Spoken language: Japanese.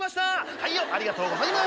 はいよありがとうございます！